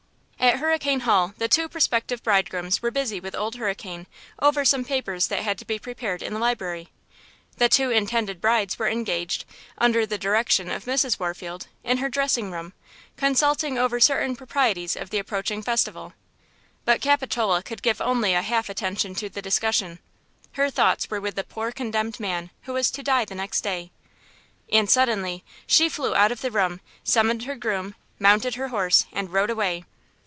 At Hurricane Hall the two prospective bridegrooms were busy with Old Hurricane over some papers that had to be prepared in the library. The two intended brides were engaged, under the direction of Mrs. Warfield, in her dressing room, consulting over certain proprieties of the approaching festival. But Capitola could give only a half attention to the discussion. Her thoughts were with the poor condemned man who was to die the next day. And suddenly she flew out of the room, summoned her groom, mounted her horse, and rode away.